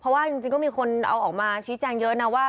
เพราะว่าจริงก็มีคนเอาออกมาชี้แจงเยอะนะว่า